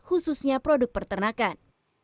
khususnya produk pertanakan